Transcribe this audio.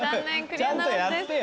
ちゃんとやってよ。